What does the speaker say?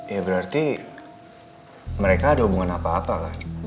ya berarti mereka ada hubungan apa apa kan